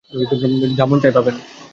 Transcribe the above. যা মন চায় পাবেন।